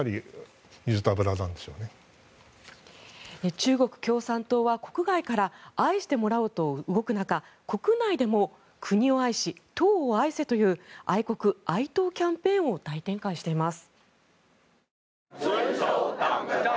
中国共産党は国外から愛してもらおうと動く中国内でも国を愛し、党を愛せという愛国・愛党キャンペーンを大展開しています。